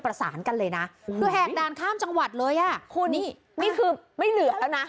ประสานกันเลยนะคือแหกด่านข้ามจังหวัดเลยอ่ะคุณนี่นี่คือไม่เหลือแล้วนะ